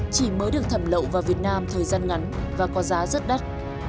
chỉ mới được thẩm lậu vào việt nam thời gian ngắn và có giá rất đắt